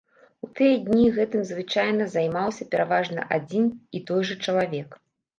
У тыя дні гэтым звычайна займаўся пераважна адзін і той жа чалавек.